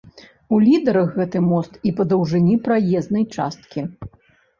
У лідэрах гэты мост і па даўжыні праезнай часткі.